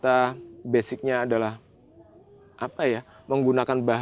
nama programnya adalah program sampah